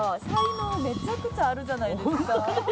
才能めちゃくちゃあるじゃないですか。